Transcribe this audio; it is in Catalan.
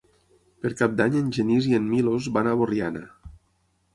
Per Cap d'Any en Genís i en Milos van a Borriana.